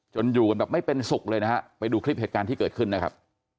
อยู่กันแบบไม่เป็นสุขเลยนะฮะไปดูคลิปเหตุการณ์ที่เกิดขึ้นนะครับ